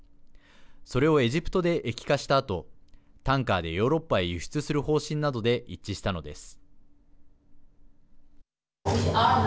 それをエジプトで液化したあとタンカーでヨーロッパへ輸出する方針などで一致したのです。